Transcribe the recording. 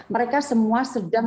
mereka semua sedang